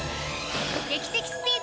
劇的スピード！